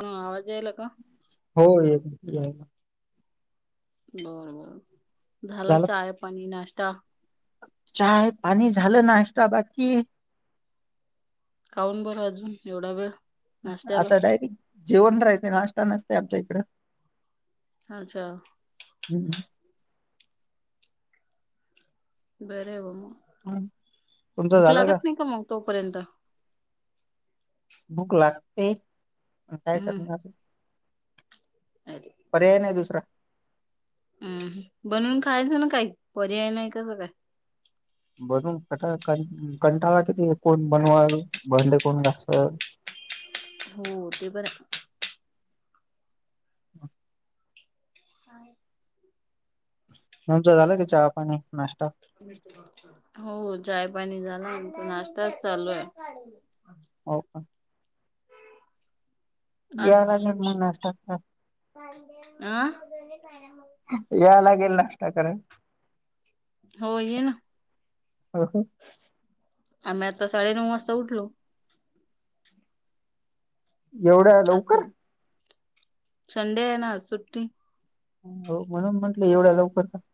हा आवाज यायला का [unintelligible] हो य [unintelligible] बर बर झालं चाय पानी नाश्ता चाय पाणी झालं नाष्टा बाकी [unintelligible] काऊून बरं अजून एवढा वेळ [unintelligible] नाश्त्याला आता डायरे जेवण राहते नाश्ता नसते आमच्या इकडं अच्छा [unintelligible] हम् हम [unintelligible] बरे बाबू हम्म. मग तुमचं भूक झालं लागत नाही का मग तोपर्यंत भुक लागते काय हम्म करणार [unintelligible] [unintelligible] [unintelligible] पयाय नाही दुसरा [unintelligible] हम्म बनून खायचं ना काही पर्याय नाही का सगळं बनून कट कंटाला किती कोण बनवाल भांडे कोण घा हो ते बरं [unintelligible] [unintelligible] [unintelligible] [unintelligible] [unintelligible] तुमचे झाला की चहा पाणी नाश्ता [unintelligible] हो चाय पाणी झाला नाश्ताच चालू आहे हो [unintelligible] याला आज जन्म नष्टात [unintelligible] अ याय लागेल नाशता करायला होय येन [unintelligible] हो हो [unintelligible] आम्ही आता साडे नऊ वाजता उठलो [unintelligible] एवढं [unintelligible] असं संडे आहे ना आज सुट्टी हो म्हणून म्हंटलं एवढ्या लवकर [unintelligible]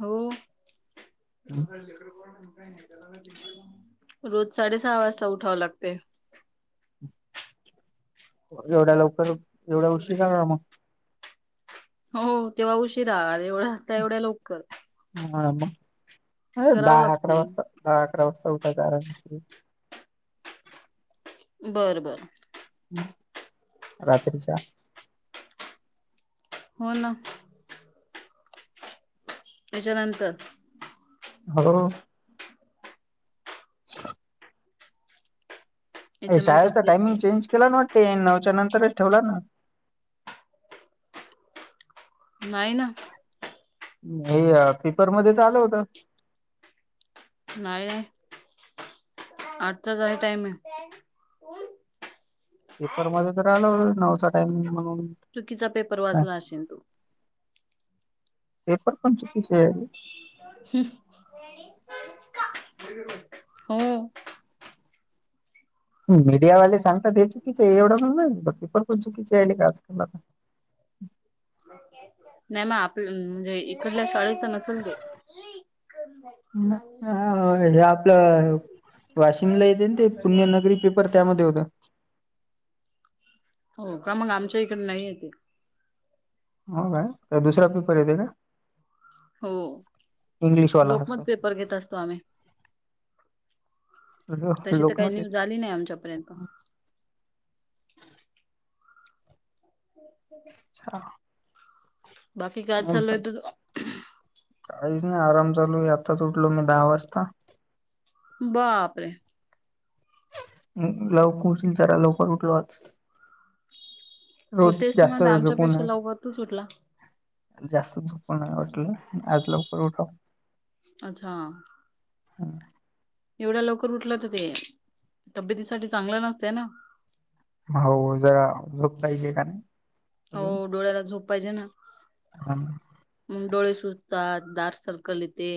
हो हम्म. रोज साडे सहा वाजता उठाव लागते [unintelligible] एवढ्या लवकर एवढ्या उशीिकणार मग [unintelligible] हो तेव्हा उशिरा एवढ्या असता एवढ्या लोककर हा म दहा अकरा लागते. वाजता दहा अकरा वाजता उठायच आराम बरं बरं [unintelligible] रात्रीच्या आठ [unintelligible] हो ना [unintelligible] त्यांच्यानंतर [unintelligible] ह [unintelligible] छ [unintelligible] याच्यानंतर शाळेचा तेच ते टायमिंग चेंज केला नां वाटते नवच्या नंतरच ठेवला ना नाहीं नं [unintelligible] हे पेपरमंध्ये त आलं होतं [unintelligible] नाही नाही आठचा टाईम आहे पेपरमध्येध्ये तर आलं नवचा टाईमग म्हणून [unintelligible] चुकीचा पेपर हा, वाचला असेल तो [unintelligible] पेपर पण चुकीचे [unintelligible] हुश [unintelligible] [unintelligible] [unintelligible] हो मीडियावाले सांगतात हे चुकीचें आहे एवढं पणं पेपर पणं चुकीचे आ आहेले का आजकालता अ [unintelligible] [unintelligible] नाहीं मं आपलं म्हणजे इकडल्यां शाळेचं नसलं ते हं हे आपलं वाशिमला येते नां ते पुण्यनगरी पेपर त्यांमध्ये होतं. हो कां मगं आमच्या ईकडे नाहीं येते. हो कायं का दुसरा पेपर येते कां? हो इंग्लिशवाला हा लोकमत सर पेपर घेतं असतों आम्हीं. तशी तरं कांहीं लोकमत न्यूज आली नाहीं आमच्यांपर्यंत. [unintelligible] अच्छां. बाकी कायं चालूं आहे तूझ? कांहीच नाहीं आराम चालूं आताचं उठलो मी दहा वाजंता. बापरे. लवकर उशील चरा लवकर उठलोच आज. हो रोज तेच तर म्हणते जास्तं झोपून आमच्यापेक्षा आहे. लवकर तूच उठला जास्तं झोपा नाहीं वाटलं आज लवकर उठा. अच्छां. हा एवढ्यां लवकर उठला तरं ते तब्येतीसांठी चांगलं नसतं नां. हो उद्या झोपता कारण. हो डोळ्यांला झोप पाहिजे नां. हं. मगं डोळे सुजतांत डार्क सर्कल येते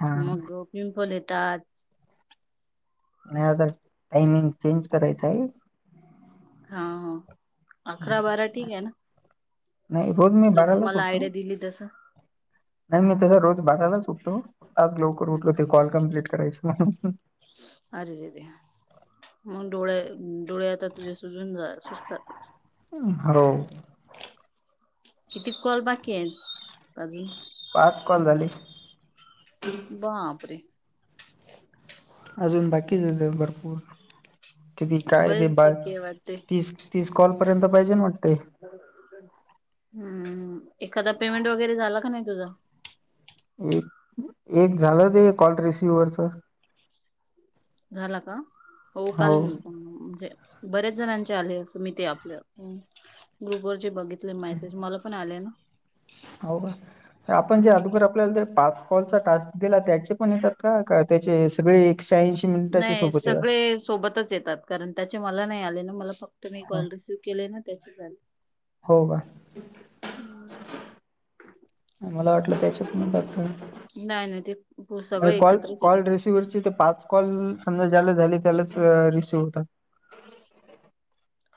हा. मिवकाॅल येतात. नाहीं आता टाइमिंग चेंज करायचं आहे. हा अकरा बारा ठीक आहे नां. नाहीं रोज मी बाराला उटतो. दिल्ली तंस नाहीं मी तसं रोज बारालांच उठतो. आज लवकर उठलो तर कॉल कंप्लीट करायच मण अरेरे आ मगं डोळे डोळे आता तुझें सुजून सुजतात. हो. किती कॉल बाकी आहेत अजून? पांच कॉल झाले. बांपरे. अजून बाकीचं भरंपूर किती कायं बरेच ते बा बाकी आहे वाटते तीस तीस कॉलपर्यंत पाहिजे ना म्हणते. हम्मं एखाद्या पेमेंट वगैरे झाला की नाहीं तुझा? एक झालं ते कॉल रिसिववरच. झाला कां हो काल म्हणजे बऱ्याच जणांचे आले असं मी ते आपल्या ग्रुपवरचे बघ मेसेज मला पण आले ना. हो आपण जे हम्म अदुघर आपल्याला ते पाच कॉलचा टास्क दिला त्यांचे पणं येतात कां त्यांचे सगळी नाहीं सगळें सोबतंच येतात. कारणं त्यांचे मला नाहीं आले नां मला फक्त मी कॉल रिसिव्ह केले ना त्यांचे आले. हो कां. [unintelligible] मला वाटलं त्याच्यातून डॉक्युमेन्ट नाही नाही ते पु- सगळे कॉल एकत्रच कॉल येतात. रिसिव्ह पाच कॉल समजा ज्याला झाली त्यालाच रिसीव्ह होतात.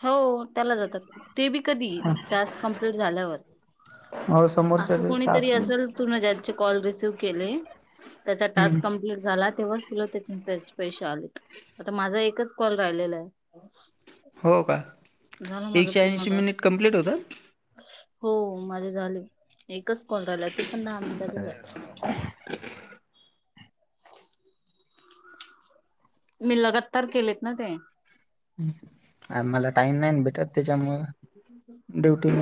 हो त्याला जातात ते बी कधी टास्क कमप्लीट झाल्यावर. हो समोरच्या असं कोणीतरी तास असल तुना ज्यांचे कॉल रिसिव्ह केले त्याचा टास्क कंपलीट झाला तेव्हाच तुला त्याच त्याचे पैसे आलेत आता माझा एकच कॉल राहिलेलाय. हो का एकशे पूर्ण ऐंशी टास्क मिनिट कम्प्लीट होतात. हो माझे झाले एकच कॉल राहिला ते पण दहा मिनिटाचय. [inaudible] मी लगातार केलेत ना ते हम आ मला टाइम नाहीन भेटत त्याच्यामुंळ ड्युटी म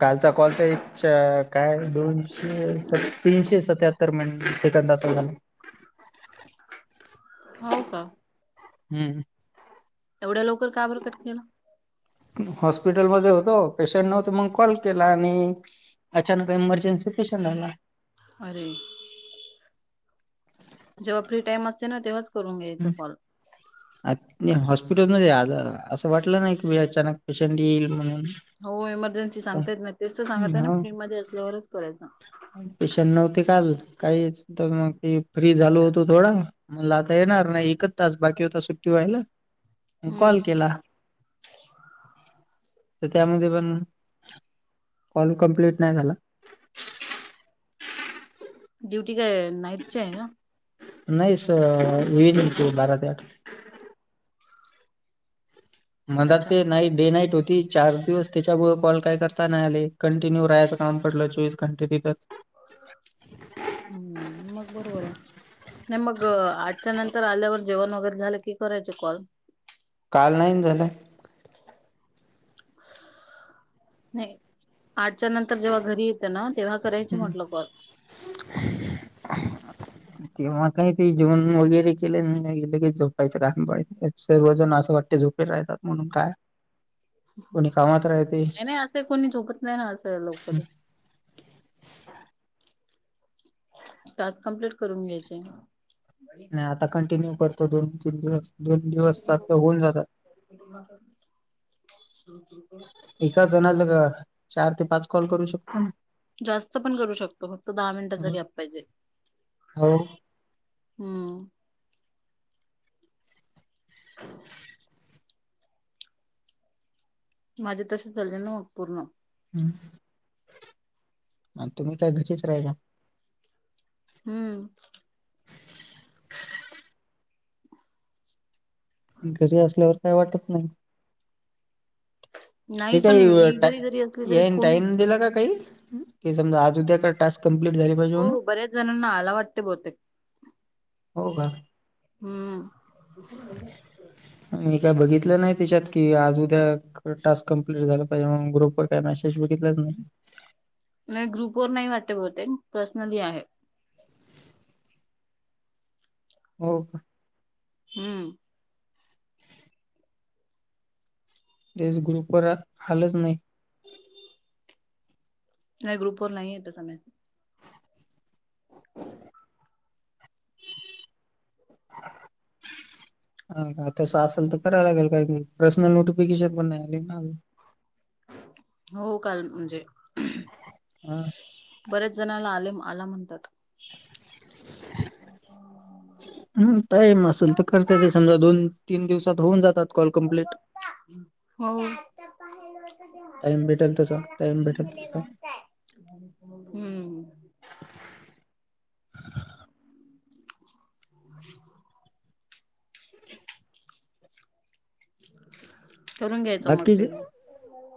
कालचा कॉल तर एक च काय दोनशे सत्याऐनशी असं त्या तर म्हण सेकंदाचा झाला. हाव का हम्म एवढ्या लवकर का बर कट केला. हॉस्पिटलमध्ये होतो पेशंट नव्हत म कॉल केला आणि अचानक एमर्जन्सी पेशंट आला. अरे जेव्हा फ्री टाईम असते ना तेव्हाच करून घ्यायच कॉल अ नी हॉस्पिटलमध्ये आ असं वाटलं नाई की अचानक पेशंट येईल म्हणून हो इमर्जन्सी सांगता येत नाही तेच तर सांगतय ना हो फ्री मध्ये असल्यावरच करायचं. पेशंट नव्हते काल काही सुद्धा मग ते फ्री झालो होतो थोडा म्हला आता येणार नाही एक तास बाकी होता सुट्टी व्हायला म हम्म कॉल केला. [inaudible] तर त्यामध्ये पण कॉल कंप्लेंट नाही झाला. ड्युटी काय नाईटची हाय ना? नाही स इव्हिनिंगची बारा ते आठ मला अच्छा ते नाईट डे नाईट होती चार दिवस त्याच्यामुळे कॉल काय करता नाही आले कंटिन्यू राहायचं काम पडलं चोवीस कंटी तिथच हम्म मग बरोबरय. नाही मग आठच्या नंतर आल्यावर जेवण वगैरे झालं की करायचे कॉल काल नाही ना झाले. नाही आठच्या नंतर जेव्हा घरी तना तेव्हा करायचे म्हटलं कॉल तेव्हा काय ते जेवन वगैरे केल नाही लगेच झोपायचं काम पडीत सर्वजण असं वाटते झोपे राहतात म्हणून काय [inaudible] कोणी कामात राहते नाही नाही असं कोणी झोपत नाही ना असं लवकर टास्क कंप्लीट करून घ्यायचे. नाही आता कंटिन्यू करतो दोन तीन दिवस दोन दिवसात होऊन जातात. एका जणाला चार ते पाच कॉल करू शकतो ना? जास्त पण करू शकतो फक्त दहा मिनिटाचा गॅप पाहिजे. हो हम्म माझे तसे चाले ना पूर्ण हम्म आन् तुम्ही काय घचीच राहीला हम्म घरी असल्यावर काही वाटत नाही. नाही हे पण काय मी टा घरी घरी असली तरी यान फोन टाईम दिला का काही की समजा आज उद्या का टास्क कंम्प्लिट झाले पाहिजे. हो म्हणून बऱ्याच जणांना आला वाटत बहुतेक हो का हम्म. मी काय बघितलं नाही त्याच्यात की आज उद्या टास्क कम्प्लीट झाला पाहिजे म्हणून ग्रुप वर काय मेसेज बघितलाय तुम्ही? नाही ग्रुप वर नाही वाटते बहुतेक पर्सनली आहे. हो का? हम्म. तेच ग्रुप वर आलच नाही. नाही ग्रुप वर नाही येत त्याचा मे [unintelligible] हा का तसं असेल तर करायला लागेल काय बी प्रर्सनल नोटिफिकेशन पण नाही आली ना. हो काल म्हणजे ह. बरेच जणला आले आला म्हणतात. [unintelligible] हम्म टाईम असल तर करत ते समजा दोन तीन दिवसात होऊन जातात कॉल कम्प्लीट हो. टाइम भेटेल तसा टाइम भेटेल तसा हम्म. [unintelligible] करून घ्यायचं मग ते बाकी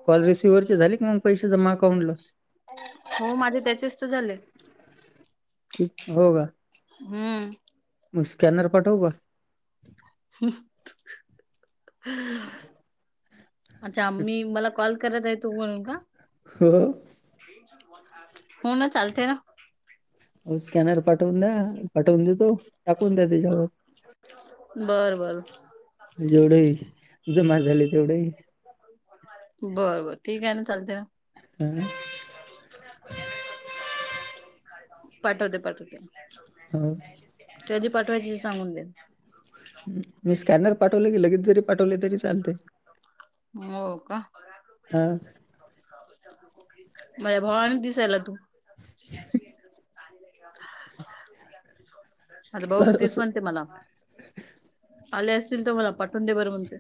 कॉल रिसिववर चे झाली की मग पैसे जमा अकांटला हो माझे त्याचेच तर झाले. हो का? हम्म. मग स्कॅनर पाटवू का? हम हा हा. अच्छा मी मला कॉल करत आहे तु म्हणून का? हो. हो न चालते ना. हो स्कॅनर पाठवून द्या पाठवून देतो टाकून द्या त्याच्यावर बर बर. जेवढेही जमा झाले तेवढेही बर बर ठीक आहे ना चालते ना. हं. पाठवते पाठवते. ह. कधी पाठवायचे ते सांगून द्या. मी स्कॅनर पाठवले की लगेच जरी पाठवले तरी चालतय. हो का? हां माझ्या भावानी दिसायला तू अ हः आता भाऊ भी तर तेच असं म्हणते मला आले असतील तर मला पाटव ते बर म्हणते.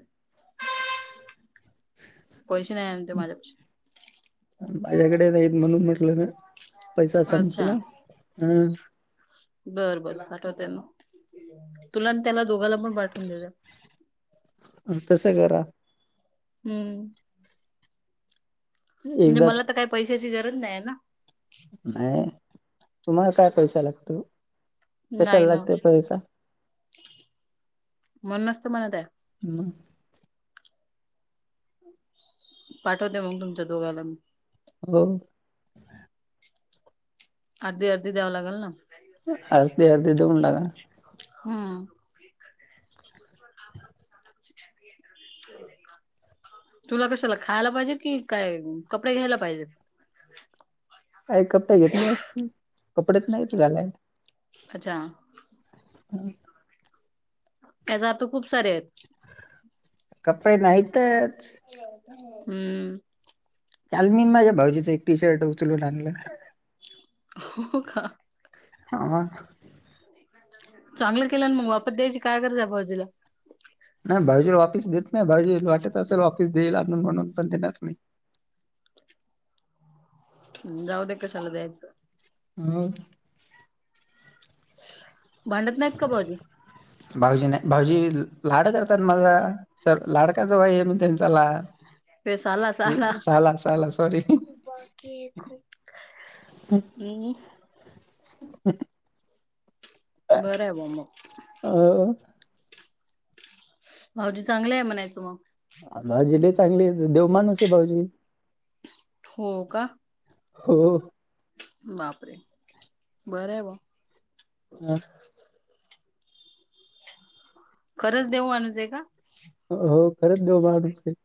पैसे नाही आणते माझ्यापशी माझ्याकडे नाहीत म्हणून म्हटलं न पैसा संपला अच्छा. हं. बरं बर पाठवतेना तुला त्याला दोघांला पण पाठवून देवूया. मग तसं करा. हम्म. म्हणजे एकदा मला तर काही पैशाची गरज नाय ना. नाहीये तुम्हाला काय सात पैसा ला लागतो. नाही कशाला ना, कोण लागते पैसा म्हण नसत मणा त्या ह् [unintelligible] पाठवते मग तुमच्या दोघांला मी. हो! अर्धी अर्धी द्यावं लागल ना. अर्धी अर्धी देऊन टाका ना. हम्म! [inaudible] [inaudible] तुला कशाला खायला पाहिजे कि काय कपडे घ्यायला पाहिजेत? आय कपडे घेतली असते कपडेच नाहीत घालायला. अच्छा! [inaudible] त्याचा अर्थ खूप सारे आहेत. कपडे नाहीतच. हम्म! काल मी माझ्या भाऊजीच एक टी शर्ट उचलू लाानलं. हो का? [unintelligible] चांगलं केलं ना मग वापत द्यायची काय कराज हाय भाउजीला. नाही भाऊजीला वापीस देत नाही भाऊजीला वाटत असेल वापीस देईल आणून म्हणून पण देणार नाही. जाऊ दे कशाला द्याचं. [unintelligible] भांडत नायत का भाऊजी? भाऊजी नाही भाऊजी लाड करतात माझा. सर लाडका जावयी आहे मी त्यांचा, ते साला साला साला ते ला सॉरी. ते खूप अ हम्म बरं आहे बावा मग. अ भाऊजी चांगलं आहे म्हणायचं मग? भाऊजी लय चांगले देवमानूस आहे भाऊजी. हो का? हो! बापरे बर हाय बाव. [unintelligible] खरंच देऊ माणूस आहे का? हो खरंच देऊ माणूस आहे.